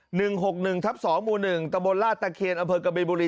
หนึ่งหกหนึ่งทับสองหมู่หนึ่งตะบลลาตะเครนอเผิกกะเบียนบุรี